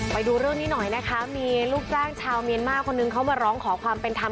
ไปดูเรื่องนี้หน่อยนะคะมีลูกจ้างชาวเมียนมาร์คนนึงเขามาร้องขอความเป็นธรรม